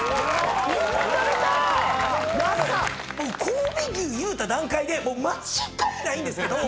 神戸牛言うた段階でもう間違いないんですけど。